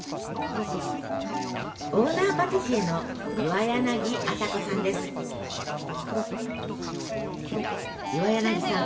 オーナーパティシエの岩柳さん